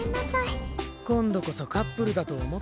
今度こそカップルだと思ったのにね。